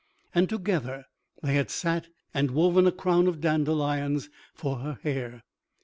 And together they had sat and woven a crown of dandelions for her hair.